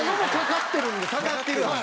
かかってるわ。